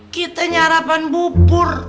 kita nyarapan bubur